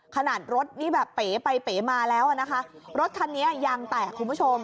ขนาดรถนี่แบบเป๋ไปเป๋มาแล้วอ่ะนะคะรถคันนี้ยางแตกคุณผู้ชม